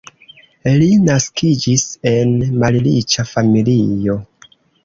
Li naskiĝis en malriĉa familio.